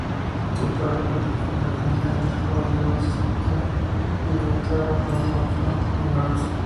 Su padre, con quien con frecuencia el joven Lewis discutía, idolatraba a los austro-húngaros.